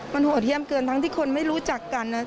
มันโหดเยี่ยมเกินทั้งที่คนไม่รู้จักกันนะ